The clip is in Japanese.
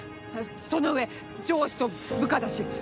そのうえ、上司と部下だし。